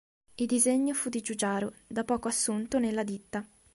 Il disegno fu di Giugiaro, da poco assunto nella ditta.